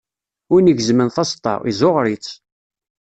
Win igezmen taseṭṭa, izzuɣer-itt.